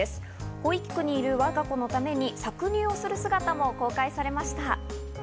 保育器にいる我が子のために搾乳をする姿も公開されました。